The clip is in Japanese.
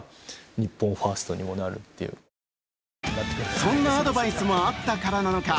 そんなアドバイスもあったからなのか